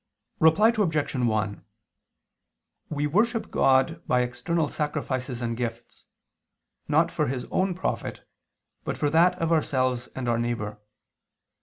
Reply Obj. 1: We worship God by external sacrifices and gifts, not for His own profit, but for that of ourselves and our neighbor.